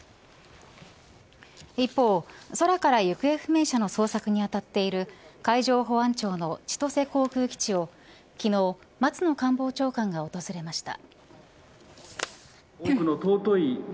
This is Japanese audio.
一方、空から行方不明者の捜索に当たっている海上保安庁の千歳航空基地を昨日松野官房長官が訪れました。